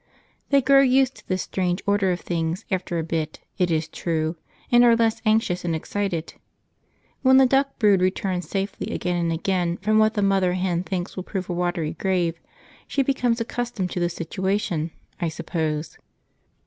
They grow used to this strange order of things after a bit, it is true, and are less anxious and excited. When the duck brood returns safely again and again from what the hen mother thinks will prove a watery grave, she becomes accustomed to the situation, I suppose.